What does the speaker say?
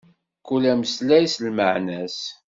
Kul ameslay s lmaɛna-s.